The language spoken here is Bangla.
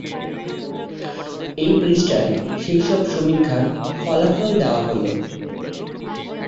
এই পৃষ্ঠায় সেই সব সমীক্ষার ফলাফল দেওয়া হল।